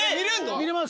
見れます。